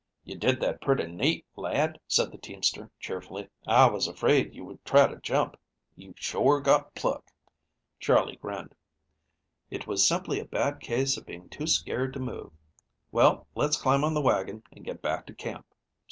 "You did that pretty neat, lad," said the teamster cheerfully. "I was afraid you would try to jump. You've shore got pluck." Charley grinned. "It was simply a bad case of being too scared to move. Well, let's climb on the wagon and get back to camp.